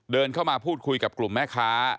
เดินเข้ามาพูดคุยกับกลุ่มแม่ค้า